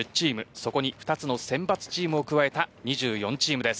そこに２つの選抜チームを加えた２４チームです。